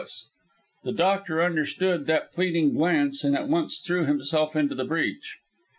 The doctor understood that pleading glance and at once threw himself into the breach.